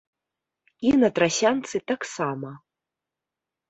І на трасянцы таксама.